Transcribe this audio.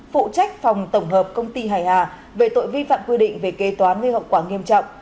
phụ trách phòng tổng hợp công ty hài hà về tội vi phạm quy định về kế toán gây hậu quả nghiêm trọng